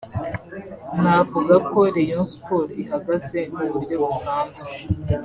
Navuga ko Rayon Sports ihagaze mu buryo busanzwe